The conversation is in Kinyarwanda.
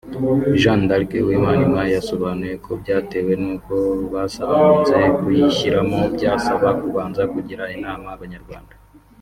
Jeanne d’ Arc Uwimanimpaye yasobanuye ko byatewe n’uko basanze kuyishyiramo byasaba kubanza kugisha Inama Abanyarwanda